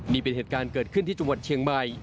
นี่เป็นเหตุการณ์เกิดขึ้นที่จังหวัดเชียงใหม่